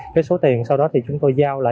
cái số tiền sau đó thì chúng tôi giao lại